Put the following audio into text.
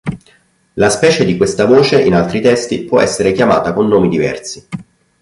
La specie di questa voce, in altri testi, può essere chiamata con nomi diversi.